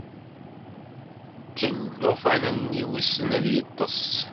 Ttel llufan-nni wissen ad yeṭṭes.